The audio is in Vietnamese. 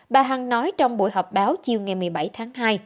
bà hằng nói trong buổi họp báo chiều ngày một mươi bảy tháng hai